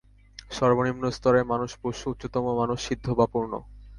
সর্বনিম্নস্তরের মানুষ পশু, উচ্চতম মানুষ সিদ্ধ বা পূর্ণ।